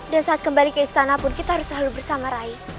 dan saat kembali ke istana pun kita harus selalu bersama rai